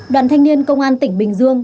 đoàn thanh niên công an tỉnh bình dương